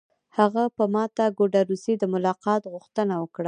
هغه په ماته ګوډه روسي د ملاقات غوښتنه وکړه